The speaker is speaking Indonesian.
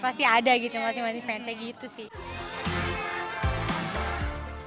pasti ada gitu masing masing fansnya gitu sih